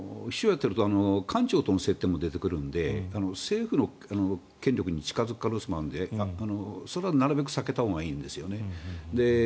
かつ、秘書をやっていると官庁との接点も出てきますので政府の権力に近付く可能性もあるのでそれはなるべく避けたほうがいいんですね。